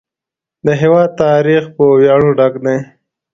د هېواد تاریخ په ویاړونو ډک دی.